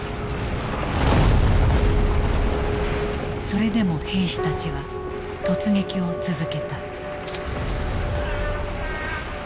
それでも兵士たちは突撃を続けた。